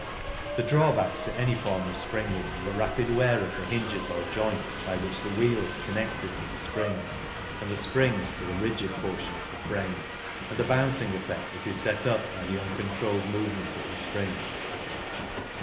The drawbacks to any form of springing are the rapid wear of the hinges or joints by which the wheel is connected to the springs and the springs to the rigid portion of the frame, and the bouncing effect that is set up by the uncontrolled movement of the springs.